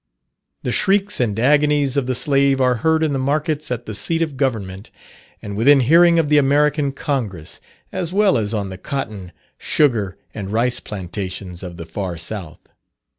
The shrieks and agonies of the slave are heard in the markets at the seat of government, and within hearing of the American Congress, as well as on the cotton, sugar and rice plantations of the far South.